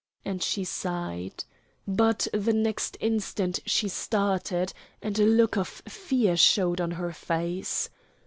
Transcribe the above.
And she sighed. But the next instant she started, and a look of fear showed on her face.